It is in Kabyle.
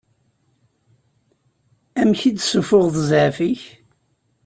Amek i d-ssufuɣeḍ zɛaf-ik?